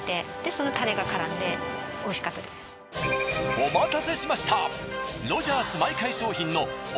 お待たせしました。